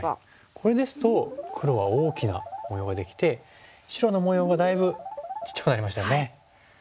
これですと黒は大きな模様ができて白の模様がだいぶちっちゃくなりましたよね。